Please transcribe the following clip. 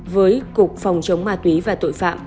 với cục phòng chống ma túy và tội phạm